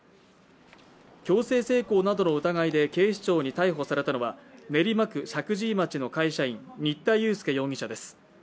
強制性交などの疑いで警視庁に逮捕されたのは練馬区石神井町の会社員、新田祐介容疑者です。